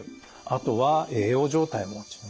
あとは栄養状態も落ちる。